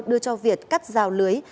đưa cho việt cắt rào lưới